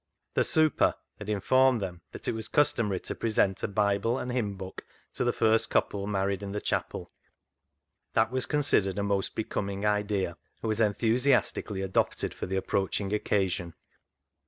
The " super " had informed them that it was customary to present a Bible and Hymn Book to the first couple married in the chapel. That was considered a most becoming idea, and was enthusiastically adopted for the approaching occasion.